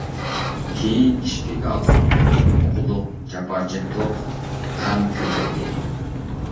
كېيىن، ئىچكىرىگە ئاتلاندۇق، ئوقۇدۇق، جاپا چەكتۇق، غەم كۆپەيدى.